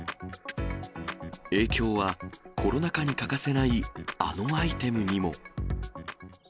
影響はコロナ禍に欠かせない、あのアイテムにも。